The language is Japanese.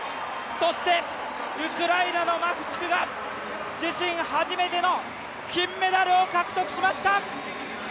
そして、ウクライナのマフチクが自身初めての金メダルを獲得しました！